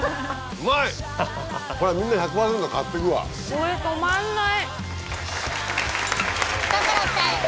これ止まんない！